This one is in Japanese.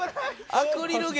アクリル芸。